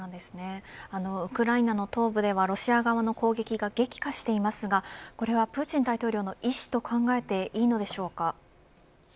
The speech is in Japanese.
ウクライナの東部ではロシア側の攻撃が激化していますがこれはプーチン大統領の意志と考えていいのでしょうか。